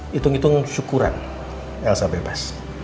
hitung hitung syukuran elsa bebas